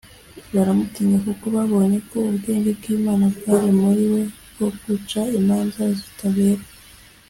baramutinya, kuko babonye ko ubwenge bw’imana bwari muri we bwo guca imanza zitabera.”